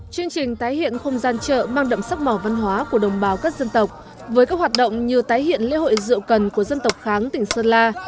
chương trình tái hiện không gian chợ mang đậm sắc màu văn hóa của đồng bào các dân tộc với các hoạt động như tái hiện lễ hội rượu cần của dân tộc kháng tỉnh sơn la